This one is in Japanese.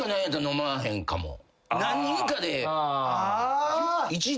何人かで。